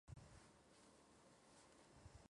Chan perteneciente a la Universidad de Harvard.